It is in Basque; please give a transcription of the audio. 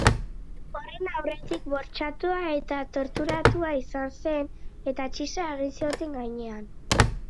Horren aurretik bortxatua eta torturatua izan zen, eta txisa egin zioten gainean.